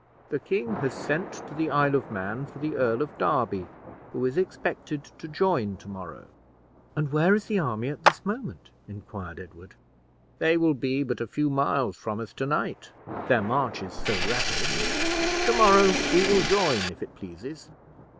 The king has sent to the Isle of Man for the Earl of Derby, who is expected to join to morrow." "And where is the army at this moment?" inquired Edward. "They will be but a few miles from us to night, their march is so rapid; to morrow we will join, if it pleases."